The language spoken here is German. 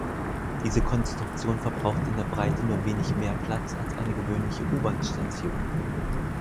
Diese Konstruktion verbraucht in der Breite nur wenig mehr Platz als eine gewöhnliche U-Bahn-Station.